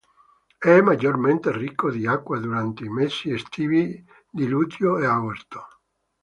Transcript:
È maggiormente ricco di acqua durante i mesi estivi di luglio e agosto.